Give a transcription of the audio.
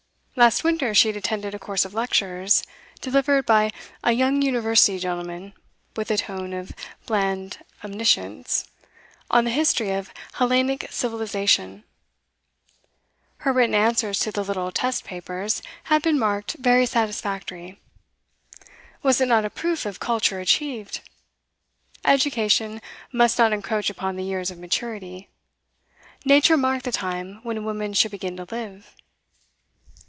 Last winter she had attended a course of lectures, delivered by 'a young University gentleman with a tone of bland omniscience, on 'The History of Hellenic Civilisation;' her written answers to the little 'test papers' had been marked 'very satisfactory.' Was it not a proof of culture achieved? Education must not encroach upon the years of maturity. Nature marked the time when a woman should begin to live.